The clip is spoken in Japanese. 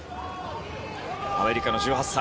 アメリカの１８歳。